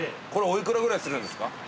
これお幾らぐらいするんですか？